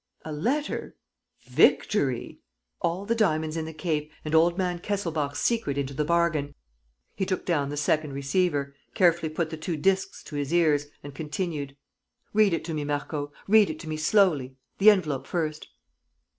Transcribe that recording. ... A letter? Victory! All the diamonds in the Cape and old man Kesselbach's secret into the bargain!" He took down the second receiver, carefully put the two discs to his ears and continued: "Read it to me, Marco, read it to me slowly. ... The envelope first.